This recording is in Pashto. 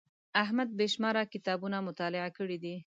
احمد بې شماره کتابونه مطالعه کړي دي.